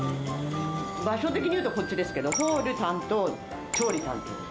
場所的にいうとこっちですけど、ホール担当、調理担当です。